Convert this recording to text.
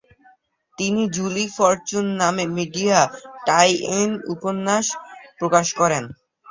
তিনি Julie Fortune নামে media tie in উপন্যাস প্রকাশ করেন।